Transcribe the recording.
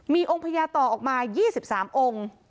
มีองค์พญาต่อออกมา๒๓องค์